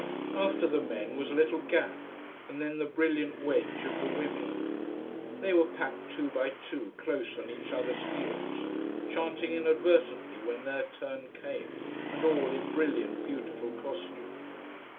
After the men was a little gap and then the brilliant wedge of the women. They were packed two by two, close on each other's heels, chanting inadvertently when their turn came, and all in brilliant, beautiful costume.